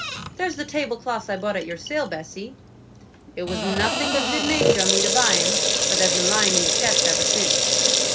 There's the tablecloths I bought at your sale, Bessy; it was nothing but good natur' o' me to buy 'em, for they've been lying in the chest ever since.